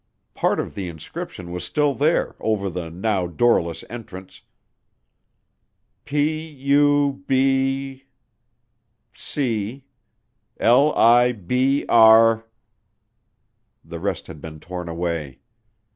Part of the inscription was still there, over the now doorless entrance. P U B C L I B R . The rest had been torn away.